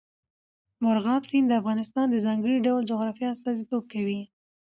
مورغاب سیند د افغانستان د ځانګړي ډول جغرافیه استازیتوب کوي.